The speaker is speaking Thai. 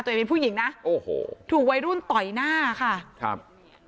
ตัวเองเป็นผู้หญิงนะโอ้โหถูกวัยรุ่นต่อยหน้าค่ะครับ